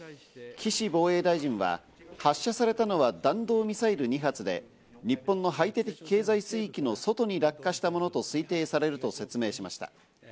岸防衛大臣は、発射されたのは弾道ミサイル２発で、日本の排他的経済水域の外に落下したものと推定されると説明しました。